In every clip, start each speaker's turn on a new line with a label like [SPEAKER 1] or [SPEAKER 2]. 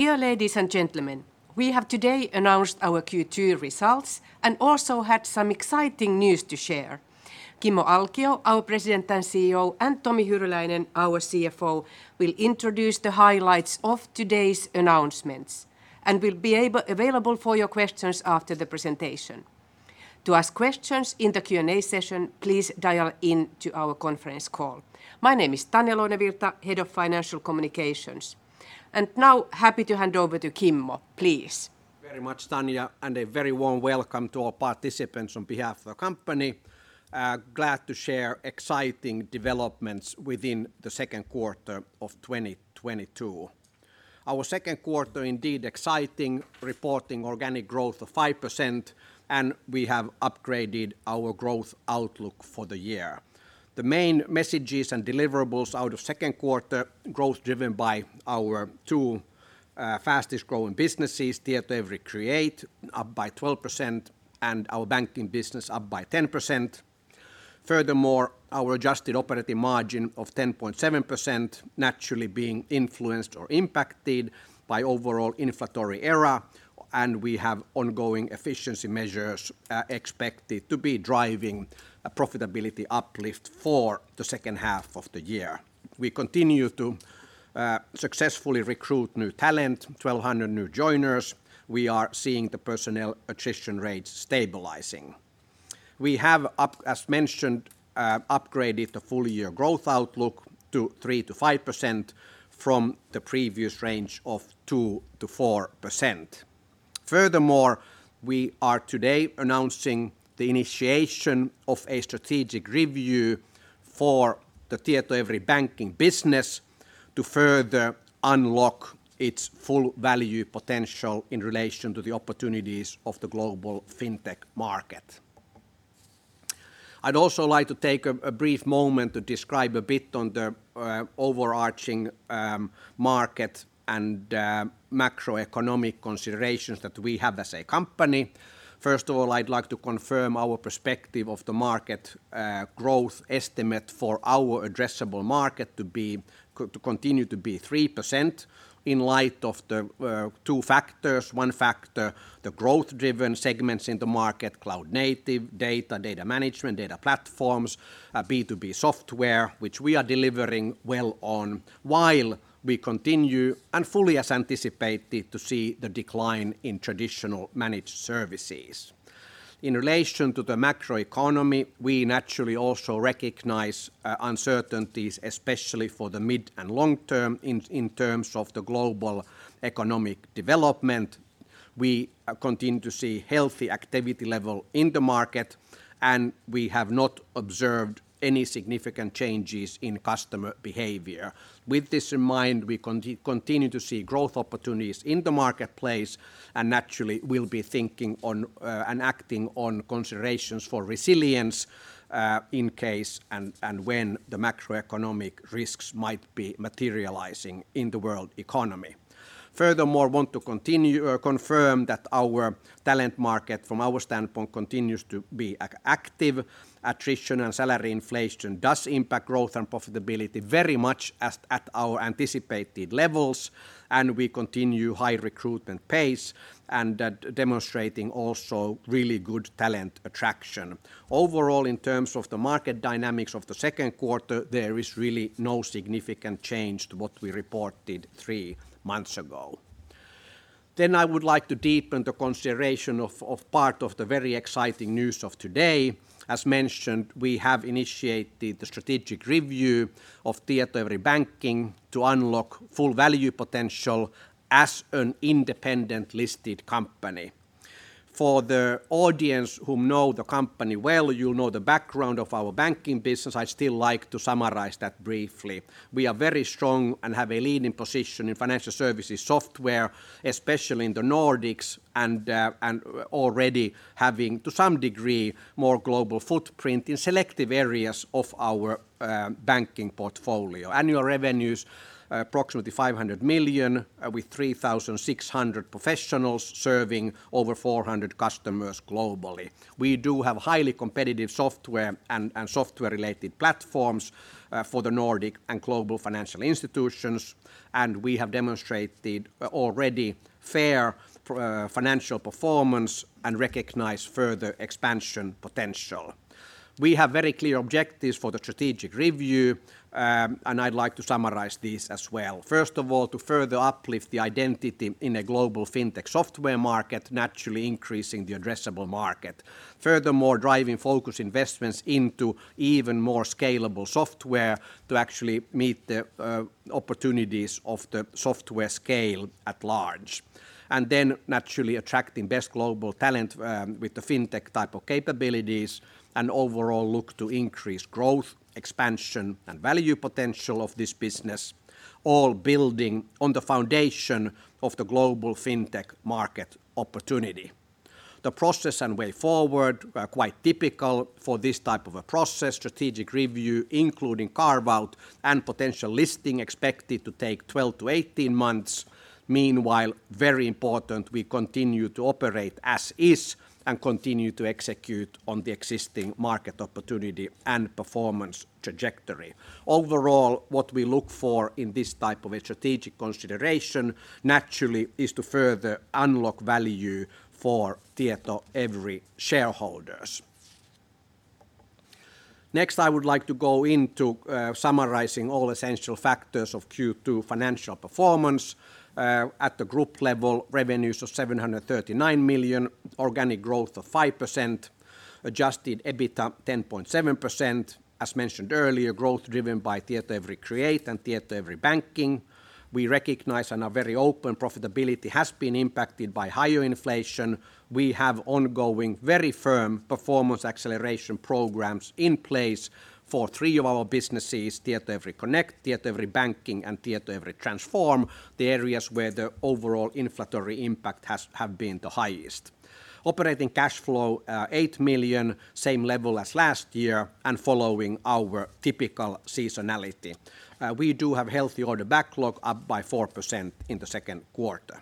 [SPEAKER 1] Dear ladies and gentlemen, we have today announced our Q2 results and also had some exciting news to share. Kimmo Alkio, our President and CEO, and Tomi Hyryläinen, our CFO, will introduce the highlights of today's announcements and will be available for your questions after the presentation. To ask questions in the Q&A session, please dial in to our conference call. My name is Tanja Lounévirta, Head of Financial Communications. Now, happy to hand over to Kimmo, please.
[SPEAKER 2] Very much, Tanja, and a very warm welcome to all participants on behalf of the company. Glad to share exciting developments within the second quarter of 2022. Our second quarter indeed exciting, reporting organic growth of 5%, and we have upgraded our growth outlook for the year. The main messages and deliverables out of second quarter growth driven by our two fastest-growing businesses, Tietoevry Create up by 12% and our banking business up by 10%. Furthermore, our adjusted operating margin of 10.7% naturally being influenced or impacted by overall inflationary environment, and we have ongoing efficiency measures expected to be driving a profitability uplift for the second half of the year. We continue to successfully recruit new talent, 1,200 new joiners. We are seeing the personnel attrition rates stabilizing. We have, as mentioned, upgraded the full year growth outlook to 3%-5% from the previous range of 2%-4%. Furthermore, we are today announcing the initiation of a strategic review for the Tietoevry Banking business to further unlock its full value potential in relation to the opportunities of the global fintech market. I'd also like to take a brief moment to describe a bit on the overarching market and macroeconomic considerations that we have as a company. First of all, I'd like to confirm our perspective of the market growth estimate for our addressable market to continue to be 3% in light of the two factors. One factor, the growth-driven segments in the market, cloud native, data management, data platforms, B2B software, which we are delivering well on, while we continue and fully as anticipated to see the decline in traditional managed services. In relation to the macroeconomy, we naturally also recognize uncertainties, especially for the mid and long term in terms of the global economic development. We continue to see healthy activity level in the market, and we have not observed any significant changes in customer behavior. With this in mind, we continue to see growth opportunities in the marketplace and naturally will be thinking on and acting on considerations for resilience, in case and when the macroeconomic risks might be materializing in the world economy. Furthermore, want to continue, confirm that our talent market from our standpoint continues to be active. Attrition and salary inflation does impact growth and profitability very much as at our anticipated levels, and we continue high recruitment pace and that demonstrating also really good talent attraction. Overall, in terms of the market dynamics of the second quarter, there is really no significant change to what we reported three months ago. I would like to deepen the consideration of part of the very exciting news of today. As mentioned, we have initiated the strategic review of Tietoevry Banking to unlock full value potential as an independent listed company. For the audience who know the company well, you'll know the background of our banking business. I'd still like to summarize that briefly. We are very strong and have a leading position in financial services software, especially in the Nordics and already having to some degree more global footprint in selective areas of our banking portfolio. Annual revenues approximately 500 million with 3,600 professionals serving over 400 customers globally. We do have highly competitive software and software-related platforms for the Nordic and global financial institutions, and we have demonstrated already financial performance and recognize further expansion potential. We have very clear objectives for the strategic review, and I'd like to summarize these as well. First of all, to further uplift the identity in a global fintech software market, naturally increasing the addressable market. Furthermore, driving focused investments into even more scalable software to actually meet the opportunities of the software scale at large. Naturally attracting best global talent, with the fintech type of capabilities and overall look to increase growth, expansion, and value potential of this business, all building on the foundation of the global fintech market opportunity. The process and way forward are quite typical for this type of a process strategic review, including carve-out and potential listing expected to take 12-18 months. Meanwhile, very important we continue to operate as is and continue to execute on the existing market opportunity and performance trajectory. Overall, what we look for in this type of a strategic consideration naturally is to further unlock value for Tietoevry shareholders. Next, I would like to go into summarizing all essential factors of Q2 financial performance. At the group level, revenues of 739 million, organic growth of 5%, adjusted EBITDA 10.7%. As mentioned earlier, growth driven by Tietoevry Create and Tietoevry Banking. We recognize and are very open, profitability has been impacted by higher inflation. We have ongoing very firm performance acceleration programs in place for three of our businesses, Tietoevry Connect, Tietoevry Banking, and Tietoevry Transform, the areas where the overall inflationary impact have been the highest. Operating cash flow 8 million, same level as last year, and following our typical seasonality. We do have healthy order backlog, up by 4% in the second quarter.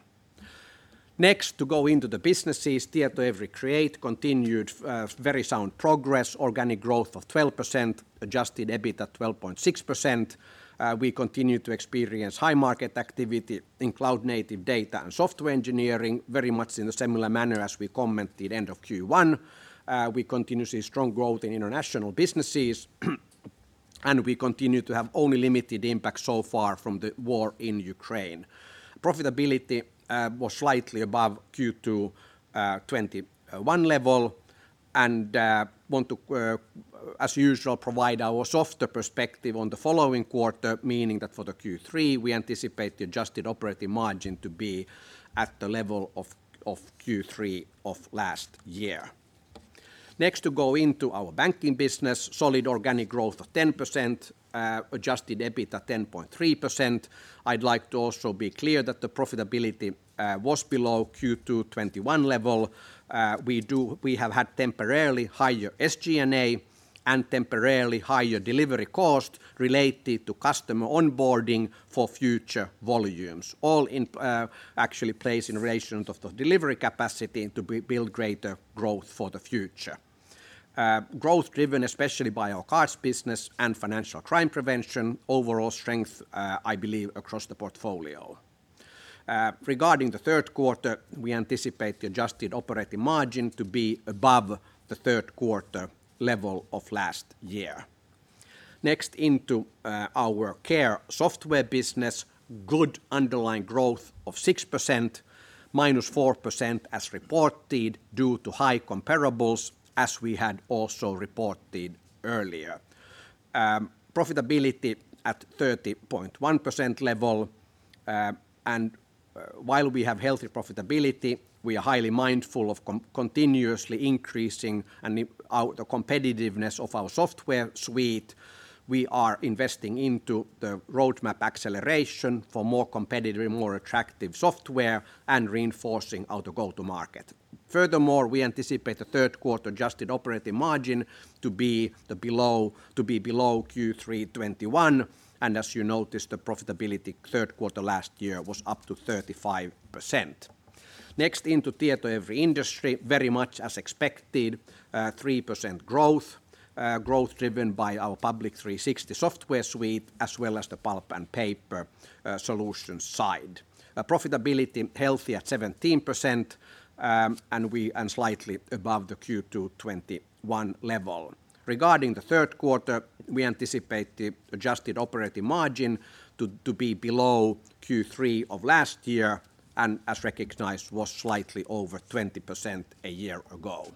[SPEAKER 2] Next, to go into the businesses, Tietoevry Create continued very sound progress, organic growth of 12%, adjusted EBITDA 12.6%. We continue to experience high market activity in cloud native data and software engineering, very much in a similar manner as we commented end of Q1. We continue to see strong growth in international businesses, and we continue to have only limited impact so far from the war in Ukraine. Profitability was slightly above Q2 2021 level. Want to as usual provide our softer perspective on the following quarter, meaning that for the Q3, we anticipate the adjusted operating margin to be at the level of Q3 of last year. Next, to go into our banking business, solid organic growth of 10%, adjusted EBITDA 10.3%. I'd like to also be clear that the profitability was below Q2 2021 level. We have had temporarily higher SG&A and temporarily higher delivery cost related to customer onboarding for future volumes. All in, actually plays in relation of the delivery capacity and to build greater growth for the future. Growth driven especially by our cards business and financial crime prevention. Overall strength, I believe, across the portfolio. Regarding the third quarter, we anticipate the adjusted operating margin to be above the third quarter level of last year. Next, into our care software business, good underlying growth of 6%, -4% as reported due to high comparables, as we had also reported earlier. Profitability at 30.1% level. While we have healthy profitability, we are highly mindful of continuously increasing and improving the competitiveness of our software suite. We are investing into the roadmap acceleration for more competitive, more attractive software and reinforcing our go-to market. Furthermore, we anticipate the third quarter adjusted operating margin to be below Q3 2021, and as you noticed, the profitability third quarter last year was up to 35%. Next, into Tietoevry Industry, very much as expected, 3% growth. Growth driven by our Public 360° software suite, as well as the pulp and paper solutions side. Profitability healthy at 17%, and slightly above the Q2 2021 level. Regarding the third quarter, we anticipate the adjusted operating margin to be below Q3 of last year, and as recognized, was slightly over 20% a year ago.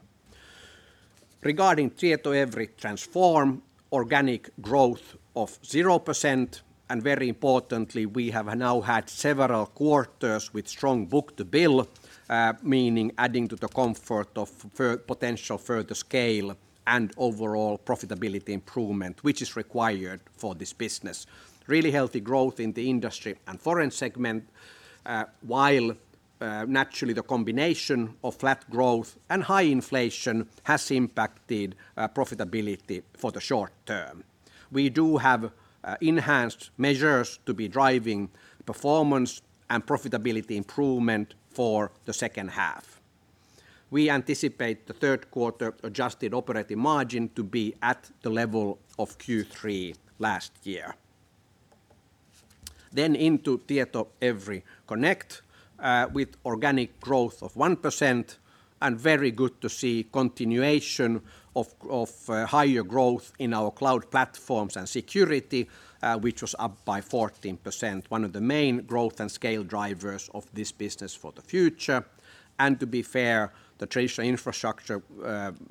[SPEAKER 2] Regarding Tietoevry Transform, organic growth of 0% and very importantly, we have now had several quarters with strong book-to-bill, meaning adding to the comfort of potential further scale and overall profitability improvement, which is required for this business. Really healthy growth in the industry and software segment, while naturally the combination of flat growth and high inflation has impacted profitability for the short term. We do have enhanced measures to be driving performance and profitability improvement for the second half. We anticipate the third quarter adjusted operating margin to be at the level of Q3 last year. Then into Tietoevry Connect, with organic growth of 1% and very good to see continuation of higher growth in our cloud platforms and security, which was up by 14%, one of the main growth and scale drivers of this business for the future. To be fair, the traditional infrastructure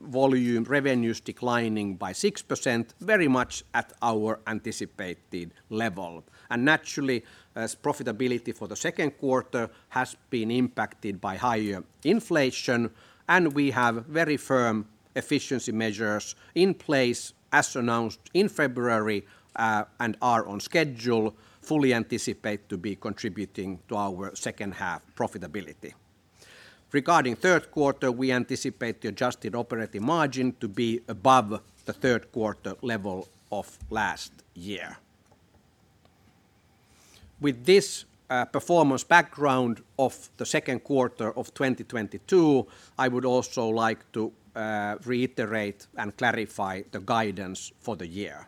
[SPEAKER 2] volume revenues declining by 6%, very much at our anticipated level. Naturally, as profitability for the second quarter has been impacted by higher inflation, and we have very firm efficiency measures in place, as announced in February, and are on schedule, fully anticipate to be contributing to our second half profitability. Regarding third quarter, we anticipate the adjusted operating margin to be above the third quarter level of last year. With this, performance background of the second quarter of 2022, I would also like to, reiterate and clarify the guidance for the year.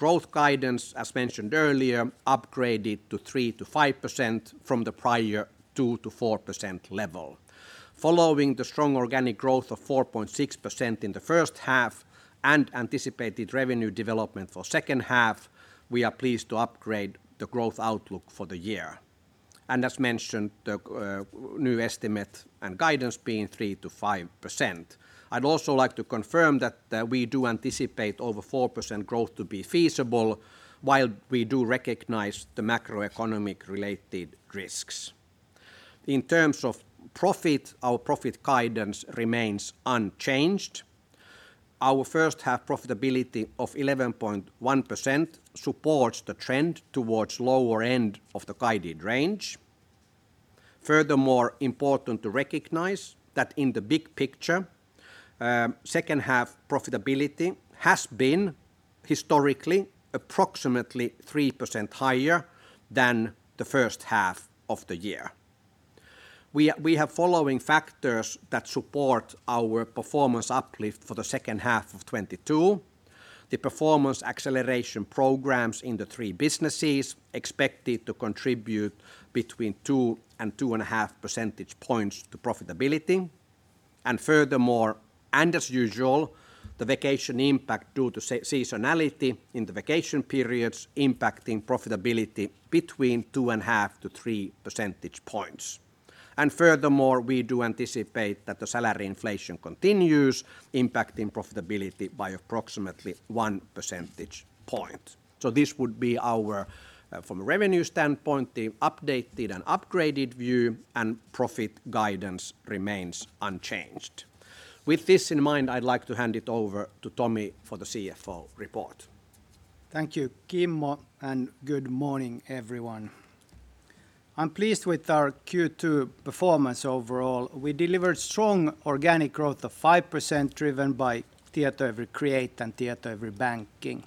[SPEAKER 2] Growth guidance, as mentioned earlier, upgraded to 3%-5% from the prior 2%-4% level. Following the strong organic growth of 4.6% in the first half and anticipated revenue development for second half, we are pleased to upgrade the growth outlook for the year. As mentioned, the new estimate and guidance being 3%-5%. I'd also like to confirm that we do anticipate over 4% growth to be feasible, while we do recognize the macroeconomic-related risks. In terms of profit, our profit guidance remains unchanged. Our first half profitability of 11.1% supports the trend towards lower end of the guided range. Furthermore, important to recognize that in the big picture, second half profitability has been historically approximately 3% higher than the first half of the year. We have following factors that support our performance uplift for the second half of 2022. The performance acceleration programs in the three businesses expected to contribute between two and 2.5 percentage points to profitability. Furthermore, and as usual, the vacation impact due to seasonality in the vacation periods impacting profitability 2.5-three percentage points. Furthermore, we do anticipate that the salary inflation continues impacting profitability by approximately one percentage point. This would be our, from a revenue standpoint, the updated and upgraded view and profit guidance remains unchanged. With this in mind, I'd like to hand it over to Tomi for the CFO report.
[SPEAKER 3] Thank you, Kimmo, and good morning, everyone. I'm pleased with our Q2 performance overall. We delivered strong organic growth of 5% driven by Tietoevry Create and Tietoevry Banking.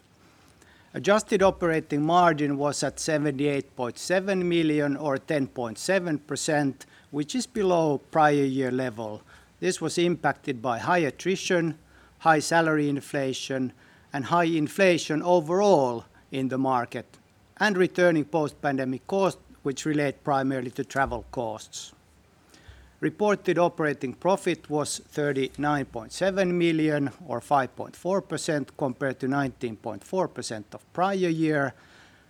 [SPEAKER 3] Adjusted operating margin was at 78.7 million or 10.7%, which is below prior year level. This was impacted by high attrition, high salary inflation, and high inflation overall in the market, and returning post-pandemic costs which relate primarily to travel costs. Reported operating profit was 39.7 million or 5.4% compared to 19.4% of prior year.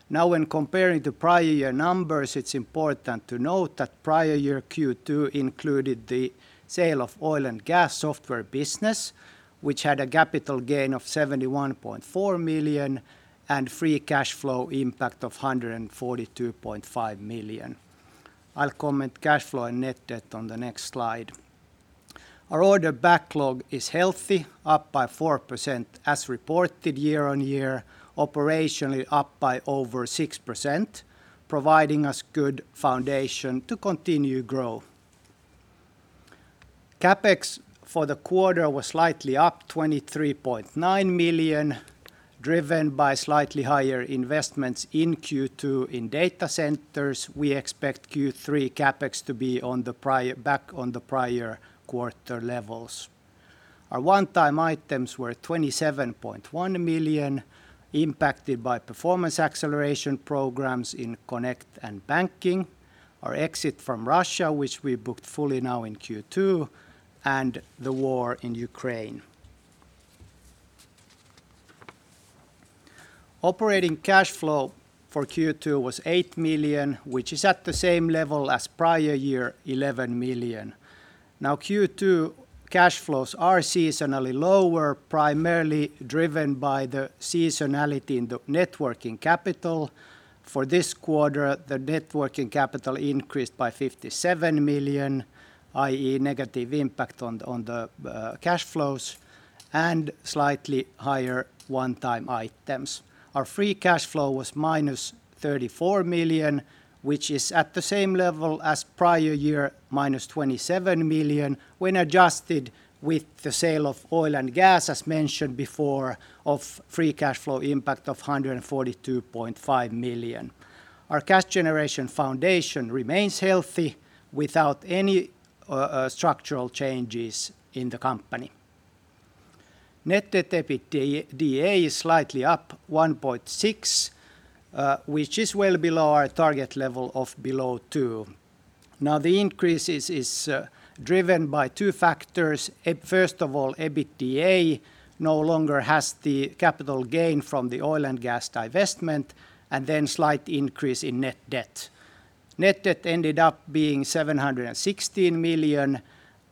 [SPEAKER 3] Now when comparing the prior year numbers, it's important to note that prior year Q2 included the sale of oil and gas software business, which had a capital gain of 71.4 million and free cash flow impact of 142.5 million. I'll comment cash flow and net debt on the next slide. Our order backlog is healthy, up by 4% as reported year-on-year, operationally up by over 6%, providing us good foundation to continue grow. CapEx for the quarter was slightly up 23.9 million, driven by slightly higher investments in Q2 in data centers. We expect Q3 CapEx to be back on the prior quarter levels. Our one-time items were 27.1 million, impacted by performance acceleration programs in Connect and Banking, our exit from Russia, which we booked fully now in Q2, and the war in Ukraine. Operating cash flow for Q2 was 8 million, which is at the same level as prior year 11 million. Now Q2 cash flows are seasonally lower, primarily driven by the seasonality in the net working capital. For this quarter, the net working capital increased by 57 million, i.e. negative impact on the cash flows and slightly higher one-time items. Our free cash flow was -34 million, which is at the same level as prior year -27 million when adjusted with the sale of oil and gas, as mentioned before, of free cash flow impact of 142.5 million. Our cash generation foundation remains healthy without any structural changes in the company. Net debt to EBITDA is slightly up 1.6, which is well below our target level of below 2. Now the increase is driven by two factors. First of all, EBITDA no longer has the capital gain from the oil and gas divestment, and then slight increase in net debt. Net debt ended up being 716 million,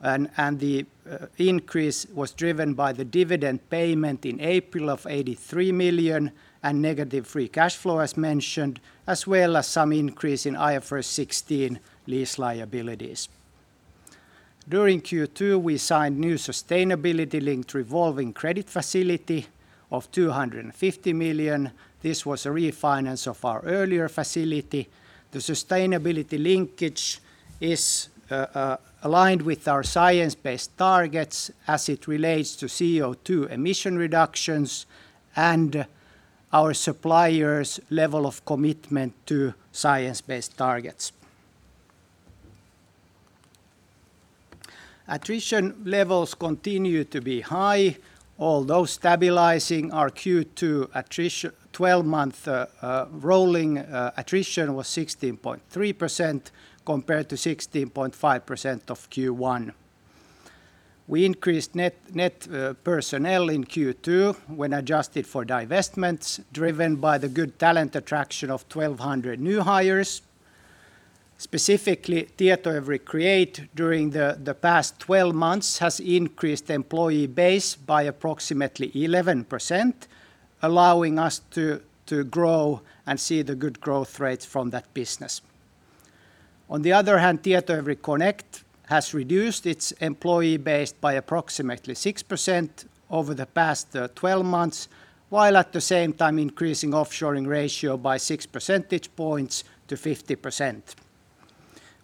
[SPEAKER 3] and the increase was driven by the dividend payment in April of 83 million and negative free cash flow as mentioned, as well as some increase in IFRS 16 lease liabilities. During Q2, we signed new sustainability-linked revolving credit facility of 250 million. This was a refinance of our earlier facility. The sustainability linkage is aligned with our science-based targets as it relates to CO2 emission reductions and our suppliers' level of commitment to science-based targets. Attrition levels continue to be high, although stabilizing. Our Q2 12-month rolling attrition was 16.3% compared to 16.5% of Q1. We increased net personnel in Q2 when adjusted for divestments driven by the good talent attraction of 1,200 new hires. Specifically, Tietoevry Create during the past 12 months has increased employee base by approximately 11%, allowing us to grow and see the good growth rates from that business. On the other hand, Tietoevry Connect has reduced its employee base by approximately 6% over the past 12 months, while at the same time increasing offshoring ratio by six percentage points to 50%.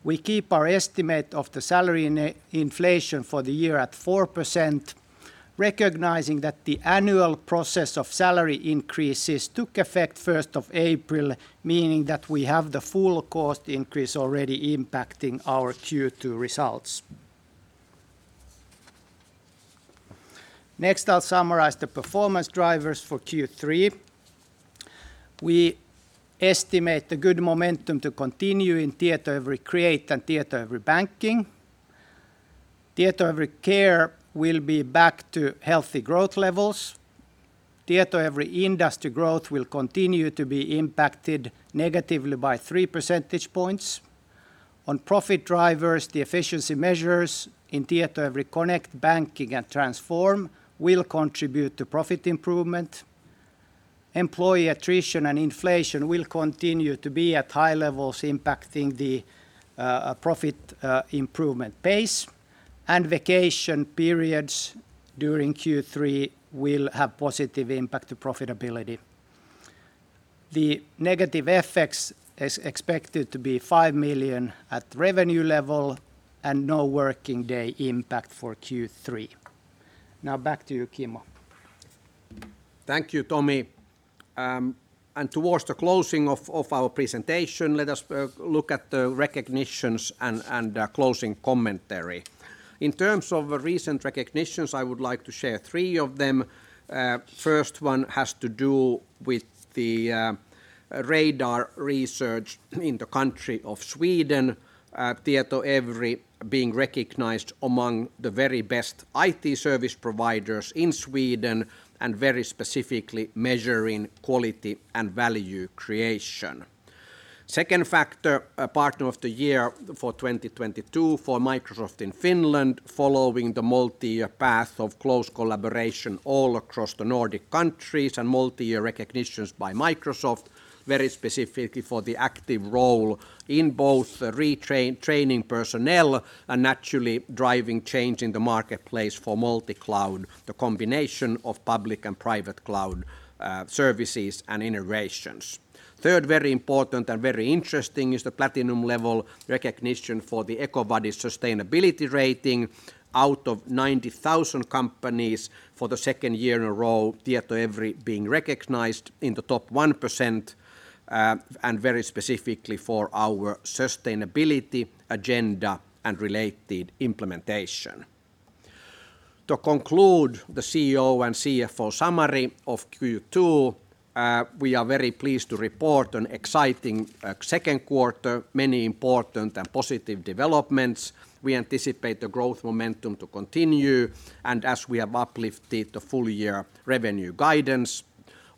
[SPEAKER 3] We keep our estimate of the salary inflation for the year at 4%, recognizing that the annual process of salary increases took effect first of April, meaning that we have the full cost increase already impacting our Q2 results. Next, I'll summarize the performance drivers for Q3. We estimate the good momentum to continue in Tietoevry Create and Tietoevry Banking. Tietoevry Care will be back to healthy growth levels. Tietoevry Industry growth will continue to be impacted negatively by three percentage points. On profit drivers, the efficiency measures in Tietoevry Connect, Tietoevry Banking, and Tietoevry Transform will contribute to profit improvement. Employee attrition and inflation will continue to be at high levels impacting the profit improvement pace, and vacation periods during Q3 will have positive impact to profitability. The negative effects is expected to be 5 million at revenue level and no working day impact for Q3. Now back to you, Kimmo.
[SPEAKER 2] Thank you, Tomi. Towards the closing of our presentation, let us look at the recognitions and closing commentary. In terms of recent recognitions, I would like to share three of them. First one has to do with the Radar research in the country of Sweden, Tietoevry being recognized among the very best IT service providers in Sweden and very specifically measuring quality and value creation. Second, a partner of the year for 2022 for Microsoft in Finland following the multi-year path of close collaboration all across the Nordic countries and multi-year recognitions by Microsoft, very specifically for the active role in both retraining personnel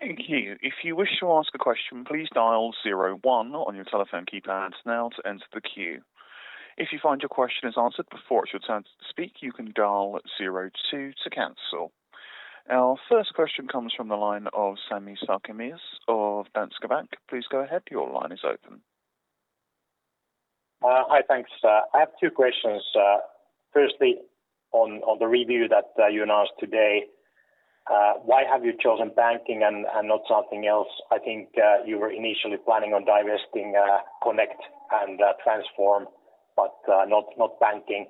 [SPEAKER 4] Thank you. If you wish to ask a question, please dial zero one on your telephone keypad now to enter the queue. If you find your question is answered before it's your turn to speak, you can dial zero two to cancel. Our first question comes from the line of Sami Sarkamies of Danske Bank. Please go ahead. Your line is open.
[SPEAKER 5] Hi. Thanks. I have two questions. Firstly, on the review that you announced today, why have you chosen banking and not something else? I think you were initially planning on divesting Connect and Transform, but not banking.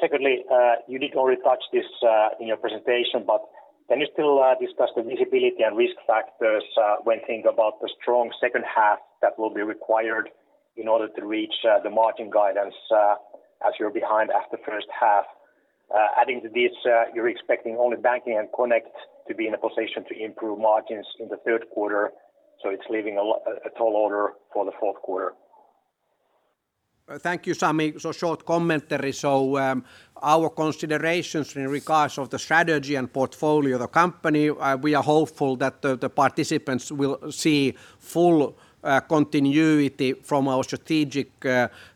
[SPEAKER 5] Secondly, you did already touch this in your presentation, but can you still discuss the visibility and risk factors when you think about the strong second half that will be required in order to reach the margin guidance, as you're behind after first half? Adding to this, you're expecting only banking and Connect to be in a position to improve margins in the third quarter, so it's leaving a tall order for the fourth quarter.
[SPEAKER 2] Thank you, Sami. Short commentary. Our considerations in regards of the strategy and portfolio of the company, we are hopeful that the participants will see full continuity from our strategic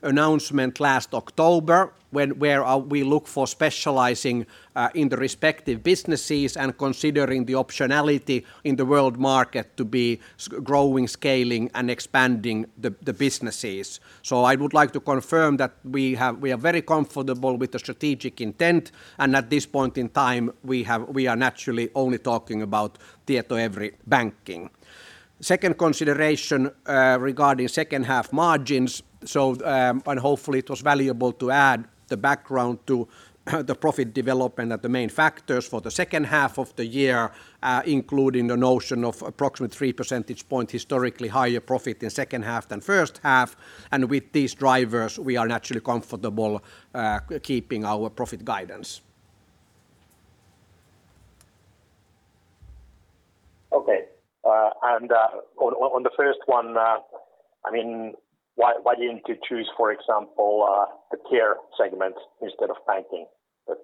[SPEAKER 2] announcement last October where we look for specializing in the respective businesses and considering the optionality in the world market to be growing, scaling, and expanding the businesses. I would like to confirm that we are very comfortable with the strategic intent, and at this point in time, we are naturally only talking about Tietoevry Banking. Second consideration regarding second half margins. Hopefully it was valuable to add the background to the profit development and the main factors for the second half of the year, including the notion of approximately three percentage points historically higher profit in second half than first half. With these drivers, we are naturally comfortable keeping our profit guidance.
[SPEAKER 5] Okay. On the first one, I mean, why didn't you choose, for example, the care segment instead of banking?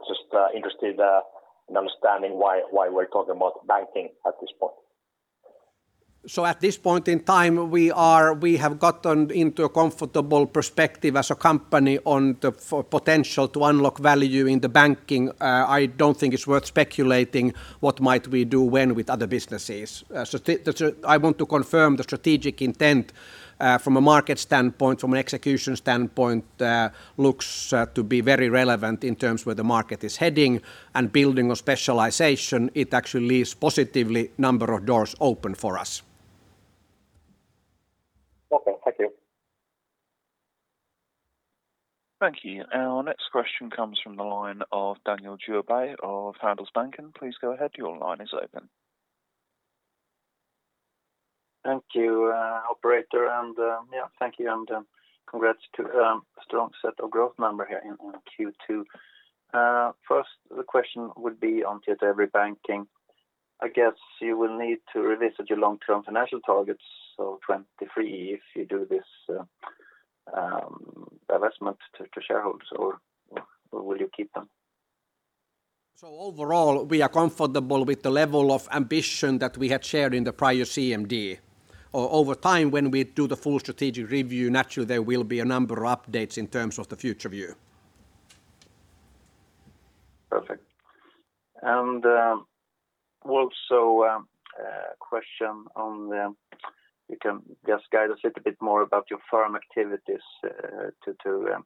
[SPEAKER 5] Just interested in understanding why we're talking about banking at this point.
[SPEAKER 2] At this point in time, we have gotten into a comfortable perspective as a company on the potential to unlock value in the Banking. I don't think it's worth speculating what we might do with other businesses. That's. I want to confirm the strategic intent from a market standpoint, from an execution standpoint. It looks to be very relevant in terms of where the market is heading and building a specialization. It actually leaves a positive number of doors open for us.
[SPEAKER 5] Okay. Thank you.
[SPEAKER 4] Thank you. Our next question comes from the line of Daniel Djurberg of Handelsbanken. Please go ahead, your line is open.
[SPEAKER 6] Thank you, operator. Yeah, thank you and congrats to strong set of growth number here in Q2. First, the question would be on Tietoevry Banking. I guess you will need to revisit your long-term financial targets, so 2023 if you do this divestment to shareholders or will you keep them?
[SPEAKER 2] Overall, we are comfortable with the level of ambition that we had shared in the prior CMD. Over time, when we do the full strategic review, naturally there will be a number of updates in terms of the future view.
[SPEAKER 6] Perfect. Also, question on. You can just guide us little bit more about your firm activities to better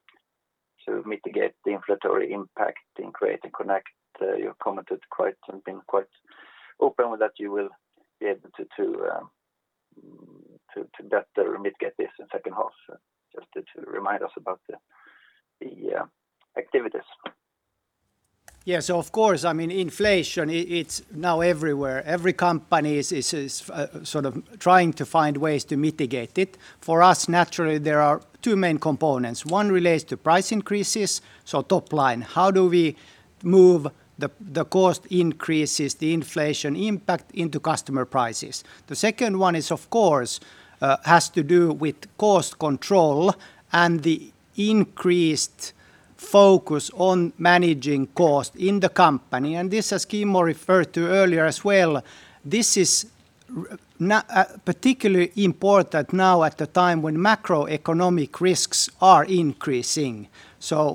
[SPEAKER 6] mitigate this in second half. Just to remind us about the activities.
[SPEAKER 2] Of course, I mean, inflation, it's now everywhere. Every company is sort of trying to find ways to mitigate it. For us, naturally, there are two main components. One relates to price increases, so top line. How do we move the cost increases, the inflation impact into customer prices? The second one is, of course, has to do with cost control and the increased focus on managing cost in the company. This, as Kimmo referred to earlier as well, this is particularly important now at the time when macroeconomic risks are increasing.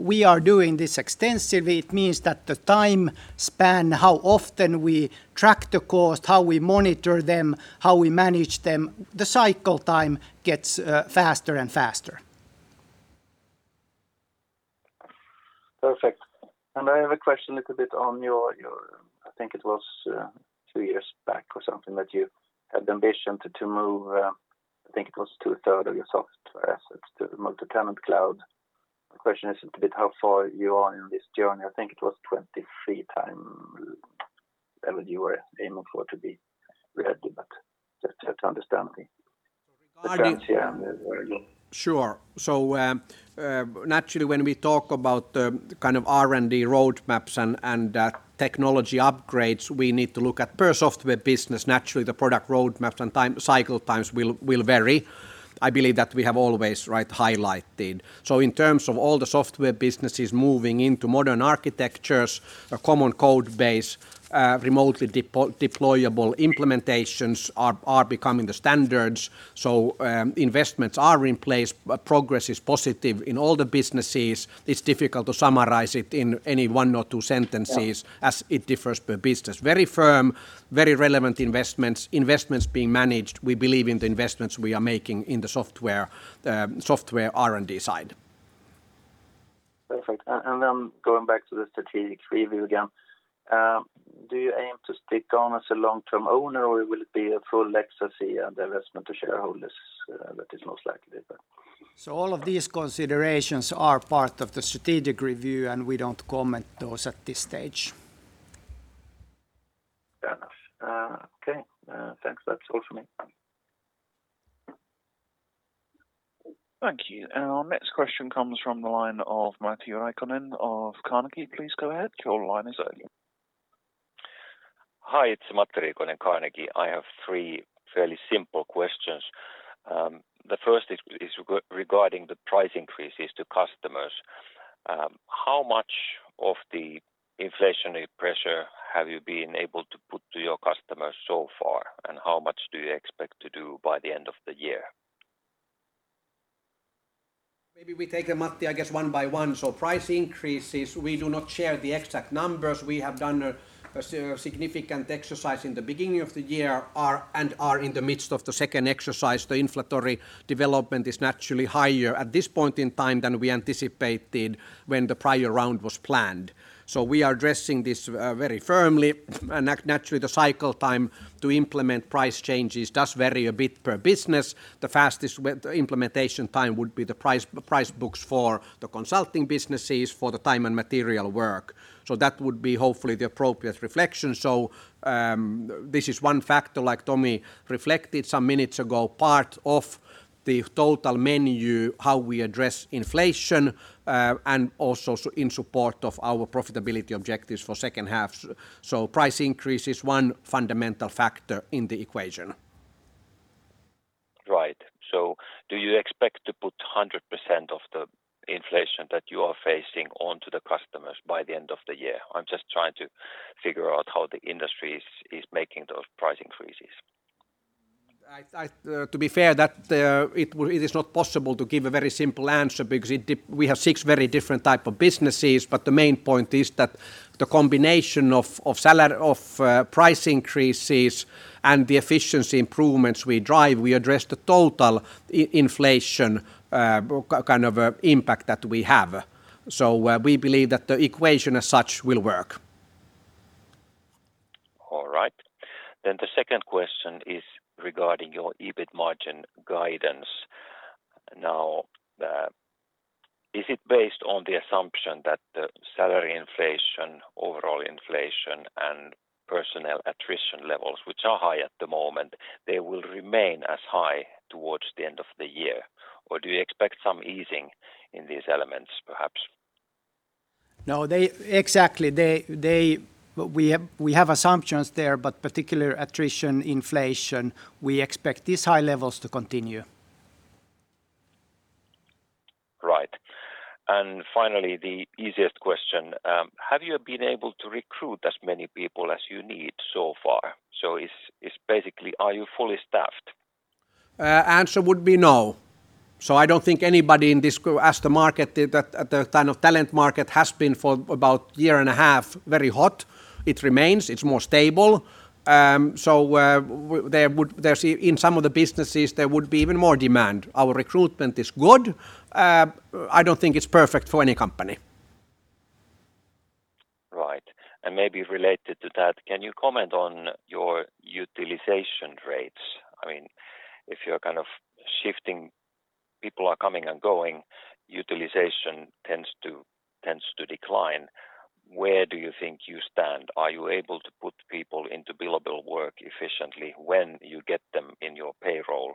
[SPEAKER 2] We are doing this extensively. It means that the time span, how often we track the cost, how we monitor them, how we manage them, the cycle time gets faster and faster.
[SPEAKER 6] Perfect. I have a question little bit on your I think it was two years back or something that you had the ambition to move I think it was two-thirds of your software assets to the multi-tenant cloud. My question is little bit how far you are in this journey. I think it was 2023 time level you were aiming for to be ready, but just understanding.
[SPEAKER 2] Regarding.
[SPEAKER 6] The plans here and where you
[SPEAKER 2] Sure. Naturally when we talk about the kind of R&D roadmaps and technology upgrades, we need to look at per software business. Naturally, the product roadmaps and cycle times will vary. I believe that we have always, right, highlighted. In terms of all the software businesses moving into modern architectures or common code base, remotely deployable implementations are becoming the standards. Investments are in place, but progress is positive in all the businesses. It's difficult to summarize it in any one or two sentences.
[SPEAKER 6] Sure.
[SPEAKER 2] As it differs per business. Very firm, very relevant investments. Investments being managed. We believe in the investments we are making in the software R&D side.
[SPEAKER 6] Perfect. Going back to the strategic review again. Do you aim to stick on as a long-term owner, or will it be a full legacy and divestment to shareholders, that is most likely there?
[SPEAKER 2] All of these considerations are part of the strategic review, and we don't comment those at this stage.
[SPEAKER 6] Fair enough. Okay. Thanks. That's all for me.
[SPEAKER 4] Thank you. Our next question comes from the line of Matti Riikonen of Carnegie. Please go ahead, your line is open.
[SPEAKER 7] Hi, it's Matti Riikonen, Carnegie. I have three fairly simple questions. The first is regarding the price increases to customers. How much of the inflationary pressure have you been able to put to your customers so far, and how much do you expect to do by the end of the year?
[SPEAKER 2] Maybe we take them, Matti, I guess one by one. Price increases, we do not share the exact numbers. We have done a significant exercise in the beginning of the year and are in the midst of the second exercise. The inflationary development is naturally higher at this point in time than we anticipated when the prior round was planned. We are addressing this very firmly. Naturally, the cycle time to implement price changes does vary a bit per business. The fastest implementation time would be the price books for the consulting businesses for the time and material work. That would be hopefully the appropriate reflection. This is one factor like Tomi reflected some minutes ago, part of the total menu, how we address inflation and also in support of our profitability objectives for second half. Price increase is one fundamental factor in the equation.
[SPEAKER 7] Right. Do you expect to put 100% of the inflation that you are facing onto the customers by the end of the year? I'm just trying to figure out how the industry is making those price increases.
[SPEAKER 2] To be fair, it is not possible to give a very simple answer because we have six very different type of businesses. The main point is that the combination of price increases and the efficiency improvements we drive, we address the total inflation, kind of, impact that we have. We believe that the equation as such will work.
[SPEAKER 7] All right. The second question is regarding your EBIT margin guidance. Now, is it based on the assumption that the salary inflation, overall inflation and personnel attrition levels, which are high at the moment, they will remain as high towards the end of the year? Or do you expect some easing in these elements perhaps?
[SPEAKER 2] We have assumptions there, but in particular, attrition, inflation, we expect these high levels to continue.
[SPEAKER 7] Right. Finally, the easiest question. Have you been able to recruit as many people as you need so far? It's basically are you fully staffed?
[SPEAKER 2] Answer would be no. I don't think anybody in this group. As the market, the kind of talent market has been for about a year and a half very hot. It remains. It's more stable. In some of the businesses, there would be even more demand. Our recruitment is good. I don't think it's perfect for any company.
[SPEAKER 7] Right. Maybe related to that, can you comment on your utilization rates? I mean, if you're kind of shifting, people are coming and going, utilization tends to decline. Where do you think you stand? Are you able to put people into billable work efficiently when you get them in your payroll,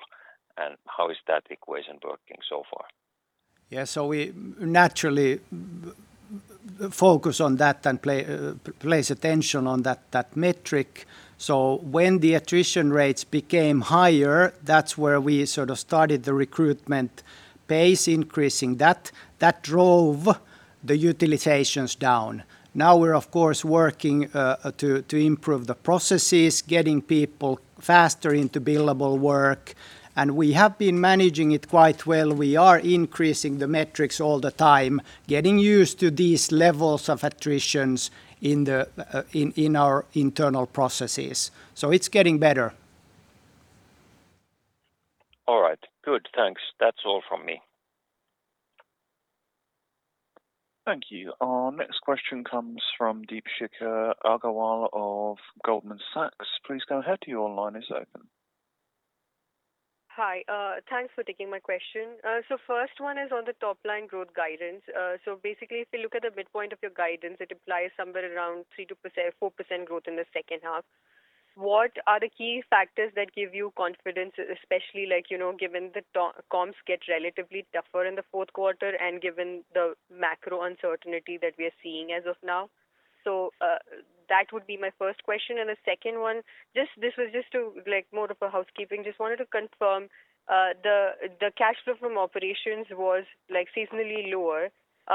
[SPEAKER 7] and how is that equation working so far?
[SPEAKER 2] We naturally focus on that and pay close attention to that metric. When the attrition rates became higher, that's where we sort of started the recruitment pace, increasing that. That drove the utilizations down. Now we're of course working to improve the processes, getting people faster into billable work, and we have been managing it quite well. We are increasing the metrics all the time, getting used to these levels of attritions in our internal processes. It's getting better.
[SPEAKER 7] All right. Good. Thanks. That's all from me.
[SPEAKER 4] Thank you. Our next question comes from Deepshikha Agarwal of Goldman Sachs. Please go ahead, your line is open.
[SPEAKER 8] Hi. Thanks for taking my question. First one is on the top line growth guidance. Basically, if you look at the midpoint of your guidance, it implies somewhere around 3%-4% growth in the second half. What are the key factors that give you confidence, especially like, you know, given the comps get relatively tougher in the fourth quarter and given the macro uncertainty that we are seeing as of now? That would be my first question. The second one, this was just to, like, more of a housekeeping. Just wanted to confirm, the cash flow from operations was like seasonally lower.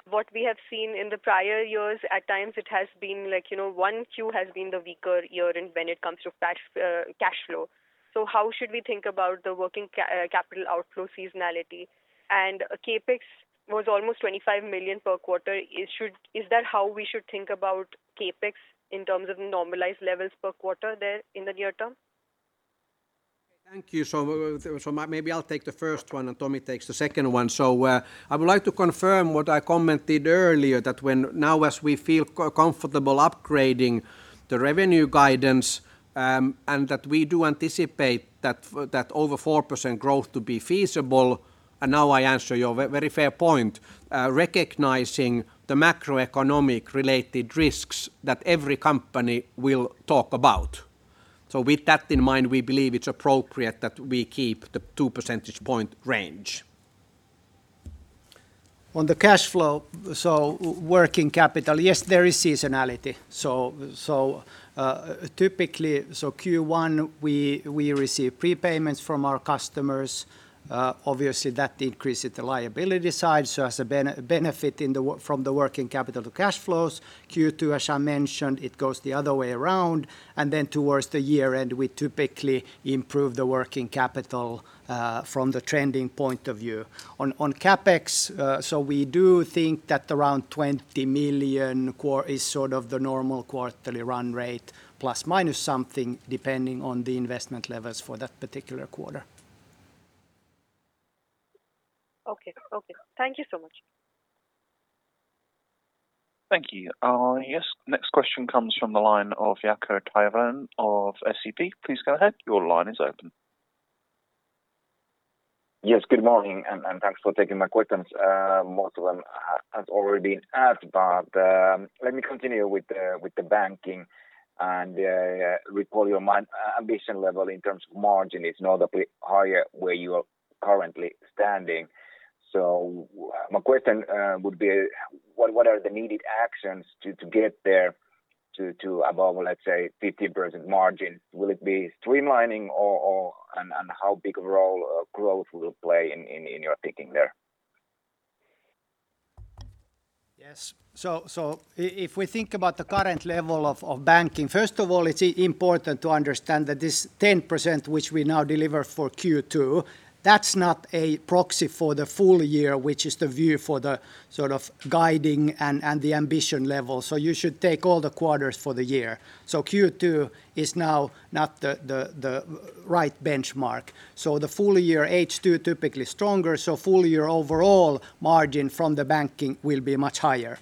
[SPEAKER 8] What we have seen in the prior years, at times it has been like, you know, one Q has been the weaker one when it comes to cash flow. How should we think about the working capital outflow seasonality? CapEx was almost 25 million per quarter. Is that how we should think about CapEx in terms of normalized levels per quarter there in the near term?
[SPEAKER 2] Thank you. Maybe I'll take the first one and Tomi takes the second one. I would like to confirm what I commented earlier that when now as we feel comfortable upgrading the revenue guidance, and that we do anticipate that that over 4% growth to be feasible. Now I answer your very fair point, recognizing the macroeconomic related risks that every company will talk about. With that in mind, we believe it's appropriate that we keep the two-percentage point range. On the cash flow, working capital, yes, there is seasonality. Typically, Q1, we receive prepayments from our customers. Obviously, that increases the liability side, so as a benefit from the working capital to cash flows. Q2, as I mentioned, it goes the other way around. Towards the year-end, we typically improve the working capital from the trending point of view. On CapEx, we do think that around 20 million is sort of the normal quarterly run rate plus minus something, depending on the investment levels for that particular quarter.
[SPEAKER 8] Okay. Okay. Thank you so much.
[SPEAKER 4] Thank you. Yes. Next question comes from the line of Jaakko Tyrväinen of SEB. Please go ahead. Your line is open.
[SPEAKER 9] Yes. Good morning, and thanks for taking my questions. Most of them have already been asked, but let me continue with the banking and recall your ambition level in terms of margin is notably higher where you are currently standing. My question would be what are the needed actions to get there to above, let's say 50% margin? Will it be streamlining. How big a role growth will play in your thinking there?
[SPEAKER 2] Yes. If we think about the current level of banking, first of all, it's important to understand that this 10% which we now deliver for Q2, that's not a proxy for the full year, which is the view for the sort of guidance and the ambition level. You should take all the quarters for the year. Q2 is now not the right benchmark. The full year H2 typically stronger, full year overall margin from the banking will be much higher.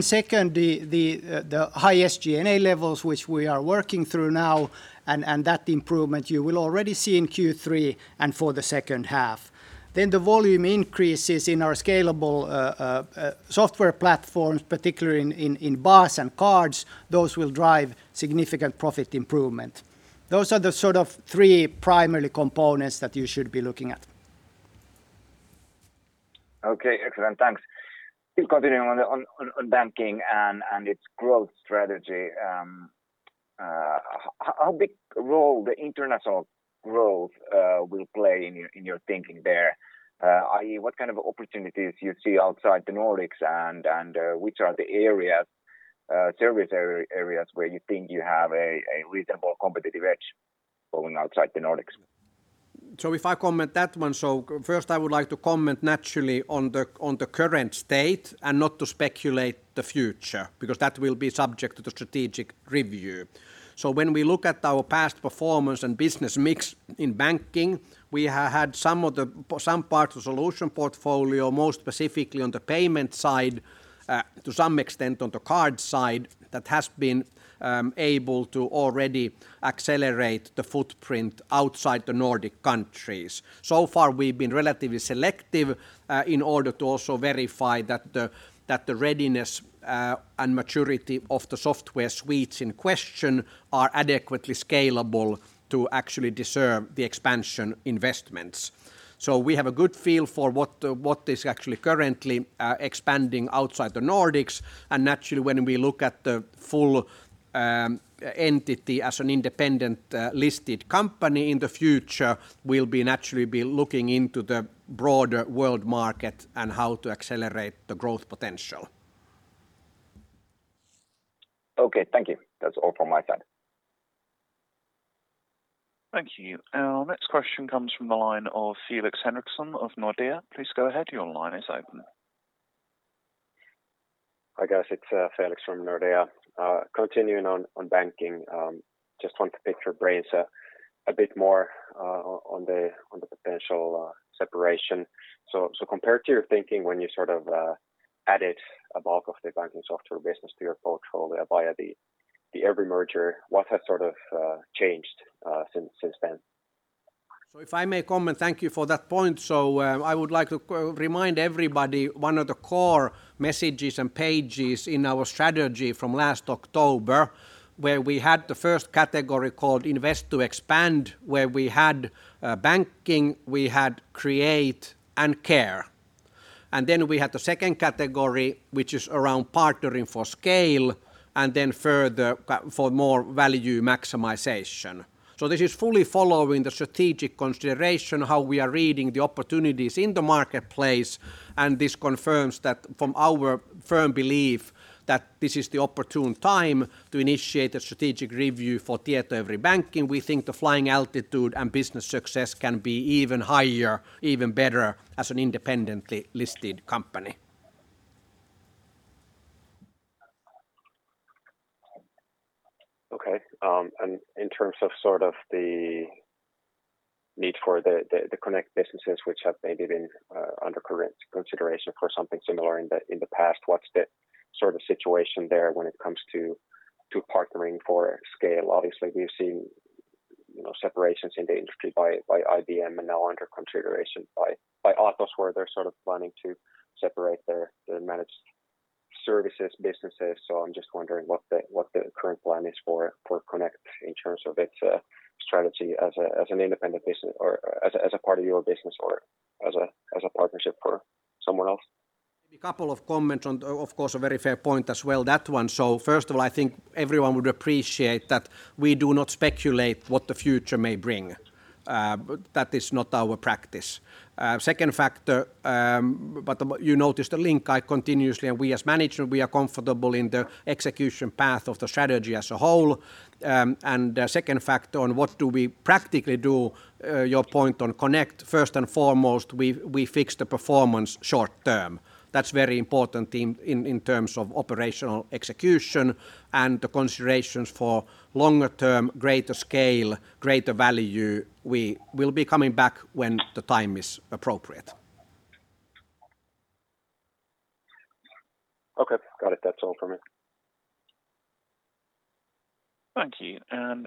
[SPEAKER 2] Second, the high SG&A levels, which we are working through now, and that improvement you will already see in Q3 and for the second half. The volume increases in our scalable software platforms, particularly in BaaS and cards, those will drive significant profit improvement. Those are the sort of three primary components that you should be looking at.
[SPEAKER 9] Okay. Excellent. Thanks. Still continuing on banking and its growth strategy, how big role the international growth will play in your thinking there? i.e., what kind of opportunities you see outside the Nordics and which are the areas, service areas where you think you have a reasonable competitive edge going outside the Nordics?
[SPEAKER 2] If I comment on that one, first I would like to comment naturally on the current state and not to speculate on the future, because that will be subject to the strategic review. When we look at our past performance and business mix in banking, we had some of the some parts of solution portfolio, most specifically on the payment side, to some extent on the card side, that has been able to already accelerate the footprint outside the Nordic countries. So far, we've been relatively selective, in order to also verify that the readiness and maturity of the software suites in question are adequately scalable to actually deserve the expansion investments. We have a good feel for what is actually currently expanding outside the Nordics. Naturally, when we look at the full entity as an independent listed company in the future, we'll be naturally looking into the broader world market and how to accelerate the growth potential.
[SPEAKER 9] Okay. Thank you. That's all from my side.
[SPEAKER 4] Thank you. Our next question comes from the line of Felix Henriksson of Nordea. Please go ahead. Your line is open.
[SPEAKER 10] Hi, guys. It's Felix from Nordea. Continuing on banking, just want to pick your brains a bit more on the potential separation. Compared to your thinking when you sort of added a bulk of the banking software business to your portfolio via the EVRY merger, what has sort of changed since then?
[SPEAKER 2] If I may comment, thank you for that point. I would like to remind everybody one of the core messages and pages in our strategy from last October, where we had the first category called Invest to Expand, where we had banking, we had create and care. Then we had the second category, which is around partnering for scale, and then further for more value maximization. This is fully following the strategic consideration, how we are reading the opportunities in the marketplace, and this confirms that from our firm belief that this is the opportune time to initiate a strategic review for Tietoevry Banking. We think the flying altitude and business success can be even higher, even better as an independently listed company.
[SPEAKER 10] Okay. In terms of sort of the need for the Connect businesses which have maybe been under consideration for something similar in the past, what's the sort of situation there when it comes to partnering for scale? Obviously, we've seen, you know, separations in the industry by IBM and now under consideration by Atos, where they're sort of planning to separate their managed services businesses. I'm just wondering what the current plan is for Connect in terms of its strategy as an independent business or as a part of your business or as a partnership for someone else.
[SPEAKER 2] Maybe a couple of comments on, of course, a very fair point as well, that one. First of all, I think everyone would appreciate that we do not speculate what the future may bring. That is not our practice. Second factor, you noticed the link I continuously and we as management, we are comfortable in the execution path of the strategy as a whole. The second factor on what do we practically do, your point on Connect, first and foremost, we fix the performance short-term. That's very important in terms of operational execution and the considerations for longer term, greater scale, greater value. We will be coming back when the time is appropriate.
[SPEAKER 10] Okay. Got it. That's all from me.
[SPEAKER 4] Thank you.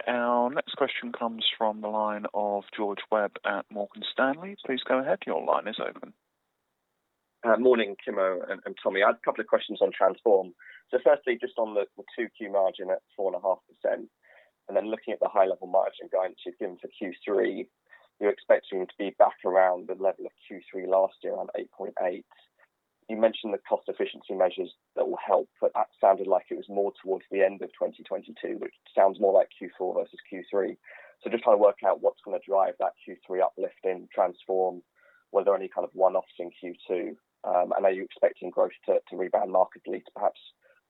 [SPEAKER 4] Our next question comes from the line of George Webb at Morgan Stanley. Please go ahead. Your line is open.
[SPEAKER 11] Morning, Kimmo and Tomi. I had a couple of questions on Transform. Firstly, just on the Q2 margin at 4.5%, and then looking at the high-level margin guidance you've given for Q3, you're expecting to be back around the level of Q3 last year on 8.8%. You mentioned the cost efficiency measures that will help, but that sounded like it was more towards the end of 2022, which sounds more like Q4 versus Q3. Just trying to work out what's gonna drive that Q3 uplift in Transform. Were there any kind of one-offs in Q2? And are you expecting growth to rebound markedly to perhaps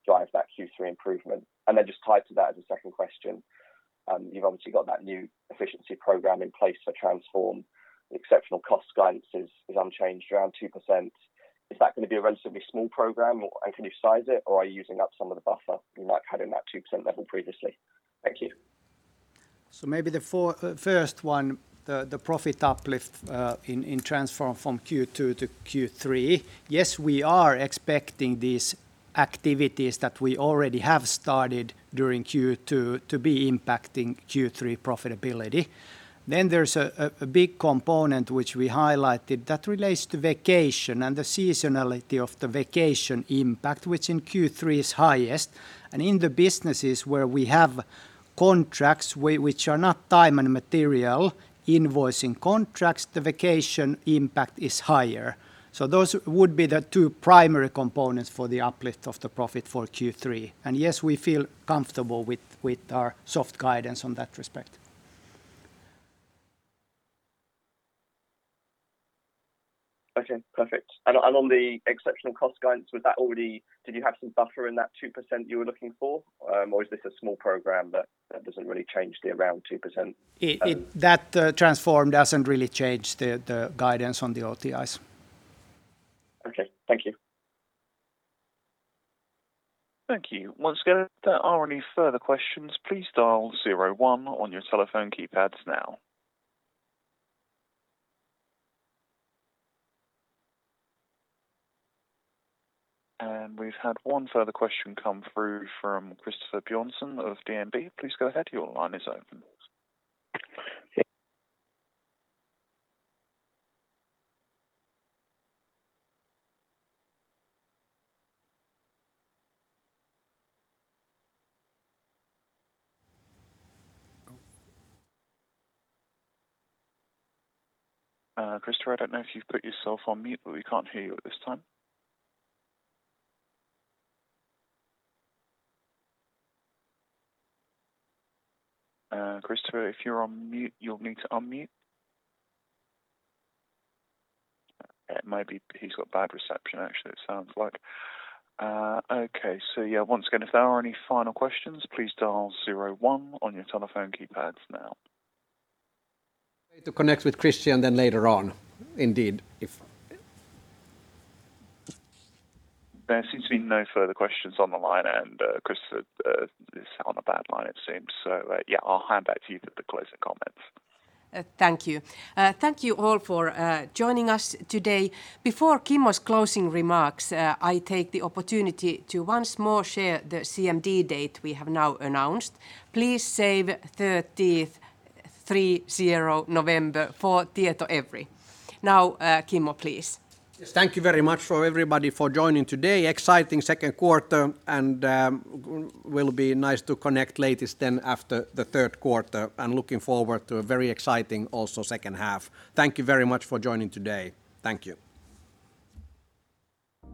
[SPEAKER 11] drive that Q3 improvement? Just tied to that as a second question, you've obviously got that new efficiency program in place for Transform. Exceptional cost guidance is unchanged around 2%. Is that gonna be a relatively small program or can you size it or are you using up some of the buffer you might have had in that 2% level previously? Thank you.
[SPEAKER 2] Maybe the first one, the profit uplift in Transform from Q2 to Q3. Yes, we are expecting these activities that we already have started during Q2 to be impacting Q3 profitability. There's a big component which we highlighted that relates to vacation and the seasonality of the vacation impact, which in Q3 is highest. In the businesses where we have contracts which are not time and material invoicing contracts, the vacation impact is higher. Those would be the two primary components for the uplift of the profit for Q3. Yes, we feel comfortable with our soft guidance on that respect.
[SPEAKER 11] Okay. Perfect. On the exceptional cost guidance, did you have some buffer in that 2% you were looking for? Or is this a small program that doesn't really change the around 2%?
[SPEAKER 2] That Transform doesn't really change the guidance on the OTIs.
[SPEAKER 11] Okay. Thank you.
[SPEAKER 4] Thank you. Once again, if there are any further questions, please dial zero one on your telephone keypads now. We've had one further question come through from Christopher Bjornsson of DNB. Please go ahead. Your line is open. Christopher, I don't know if you've put yourself on mute, but we can't hear you at this time. Christopher, if you're on mute, you'll need to unmute. Maybe he's got bad reception actually, it sounds like. Okay. Yeah, once again, if there are any final questions, please dial zero one on your telephone keypads now.
[SPEAKER 2] To connect with Christian, then later on, indeed.
[SPEAKER 4] There seems to be no further questions on the line and Christopher is on a bad line it seems. Yeah, I'll hand back to you for the closing comments.
[SPEAKER 1] Thank you. Thank you all for joining us today. Before Kimmo's closing remarks, I take the opportunity to once more share the CMD date we have now announced. Please save November 30th for Tietoevry. Now, Kimmo, please.
[SPEAKER 2] Yes, thank you very much for everybody for joining today. Exciting second quarter, and will be nice to connect later then after the third quarter. I'm looking forward to a very exciting also second half. Thank you very much for joining today. Thank you.